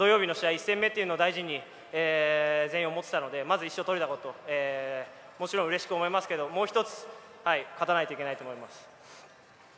１戦目というのを大事に全員、思っていたのでまず１勝取れたこともちろんうれしく思いますけどもう１つ、勝たないといけないと思います。